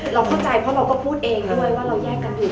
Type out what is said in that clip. เราเข้าใจเพราะเราก็พูดเองด้วยว่าเราแยกกันอยู่